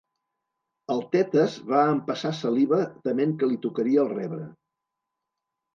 El Tetes va empassar saliva tement que li tocaria el rebre.